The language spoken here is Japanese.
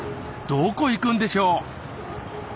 どこ行くんでしょう？